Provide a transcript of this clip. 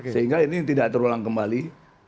sehingga ini tidak terulang kembali